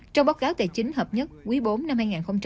trong báo cáo tài chính hợp nhất quý bốn năm hai nghìn hai mươi